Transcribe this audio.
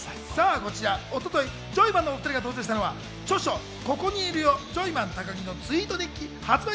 こちら一昨日、ジョイマンのお２人が登場したのは、著書『ここにいるよジョイマン・高木のツイート日記』発売